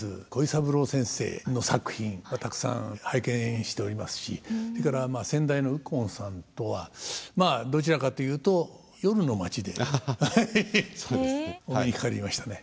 鯉三郎先生の作品はたくさん拝見しておりますしそれから先代の右近さんとはまあどちらかというと夜の街でね。